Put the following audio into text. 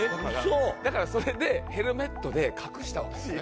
だからそれでヘルメットで隠したわけですね。